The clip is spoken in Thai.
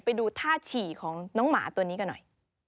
ไปดูท่าฉี่ของน้องหมาตัวนี้กันหน่อย